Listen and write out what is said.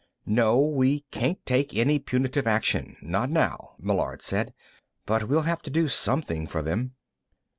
"No; we can't take any punitive action. Not now," Meillard said. "But we'll have to do something for them."